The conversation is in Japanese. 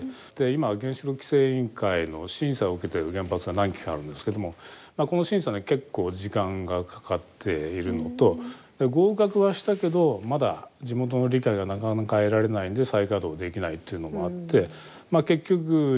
今原子力規制委員会の審査を受けてる原発が何基かあるんですけどもこの審査に結構時間がかかっているのと合格はしたけどまだ地元の理解がなかなか得られないんで再稼働できないっていうのもあってまあ結局１０基なんですね。